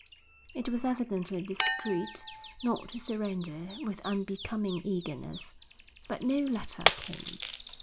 It was evidently discreet not to surrender with unbecoming eagerness. But no letter came.